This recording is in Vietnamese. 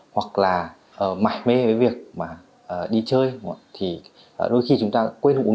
hoặc là mải mê với việc đi chơi thì đôi khi chúng ta quên uống thuốc